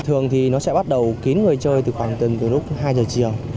thường thì nó sẽ bắt đầu kín người chơi từ khoảng tầm hai giờ chiều